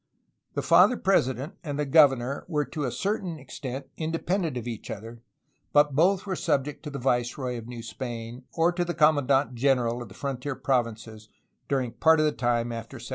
The Father President and the governor were to a certain extent independent of each other, but both were subject to the viceroy of New Spain, — or to the commandant general of the frontier provinces during part of the time after 1776.